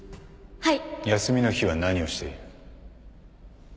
はい。